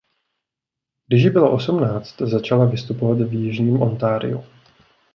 Když jí bylo osmnáct začala vystupovat v jižním Ontariu.